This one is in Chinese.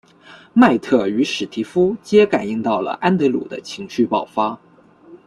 麦特与史提夫皆感应到了安德鲁的情绪爆发。